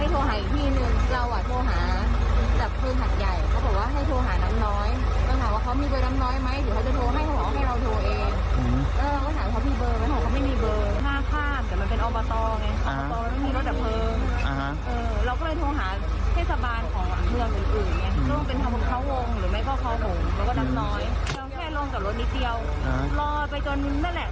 โทรแจ้งตำรวจผู้ทรมานเมืองสงขาด